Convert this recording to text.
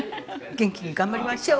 元気に頑張りましょう。